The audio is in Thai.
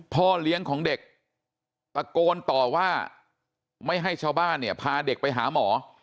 พ่อเลี้ยงของเด็กตะโกนต่อว่าไม่ให้ชาวบ้านเนี่ยพาเด็กไปหาหมอ